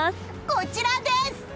こちらです！